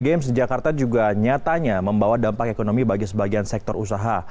games di jakarta juga nyatanya membawa dampak ekonomi bagi sebagian sektor usaha